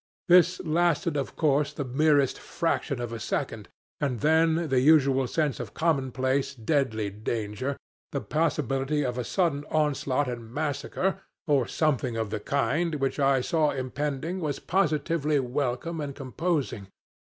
This lasted of course the merest fraction of a second, and then the usual sense of commonplace, deadly danger, the possibility of a sudden onslaught and massacre, or something of the kind, which I saw impending, was positively welcome and composing.